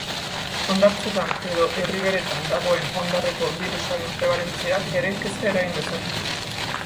Hondartzetan edo erriberetan dagoen hondarreko birusaren prebalentziak ere kezka eragin dezake.